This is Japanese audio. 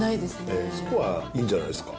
そこはいいんじゃないですか。